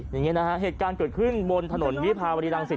อย่างนี้นะฮะเหตุการณ์เกิดขึ้นบนถนนวิภาวดีรังสิต